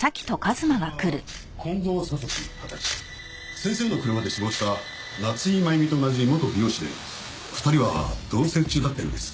先生の車で死亡した夏井真弓と同じ元美容師で２人は同棲中だったようです。